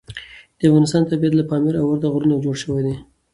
د افغانستان طبیعت له پامیر او ورته غرونو جوړ شوی دی.